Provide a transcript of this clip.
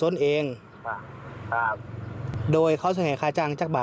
น้องก่อนจอยแม่จอยไป